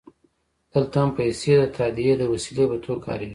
دلته هم پیسې د تادیې د وسیلې په توګه کارېږي